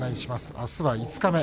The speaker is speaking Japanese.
あすは五日目。